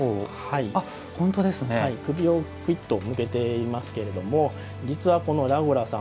首をくっと向けていますけれども実はこのらごらさん